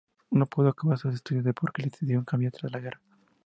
No pudo acabar sus estudios porque la situación cambió tras la guerra.